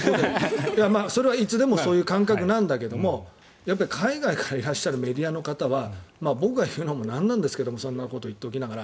それはいつでもそういう感覚なんだけど海外からいらっしゃるメディアの方は僕が言うのも何なんですけどそんなこと言いながら。